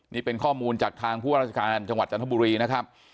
นี่เป็นข้อมูลจากทางผู้ว่าราชการจังหวัดจันทบุรีนะครับ